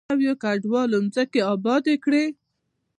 نویو کډوالو ځمکې ابادې کړې.